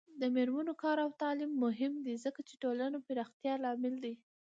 د میرمنو کار او تعلیم مهم دی ځکه چې ټولنې پراختیا لامل دی.